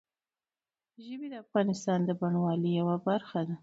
ژبې د افغانستان د بڼوالۍ یوه برخه ده.